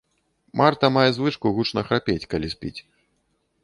Марта мае звычку гучна храпець, калі спіць.